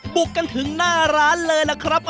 บุกกันถึงหน้าร้านเลยล่ะครับ